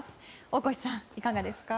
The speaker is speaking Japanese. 大越さん、いかがですか？